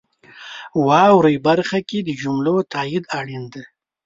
واورئ برخه کې د جملو تایید اړین دی.